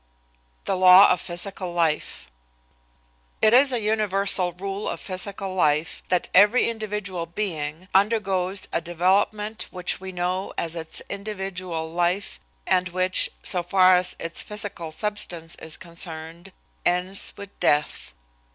THE LAW OF PHYSICAL LIFE It is a universal rule of physical life that every individual being undergoes a development which we know as its individual life and which, so far as its physical substance is concerned, ends with death.